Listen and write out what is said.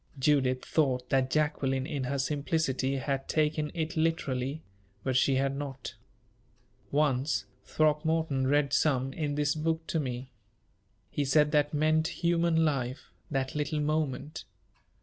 _" Judith thought that Jacqueline, in her simplicity, had taken it literally; but she had not. "Once, Throckmorton read some in this book to me. He said that meant human life that little moment.